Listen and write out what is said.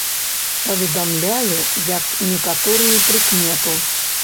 Паведамляю, як некаторую прыкмету.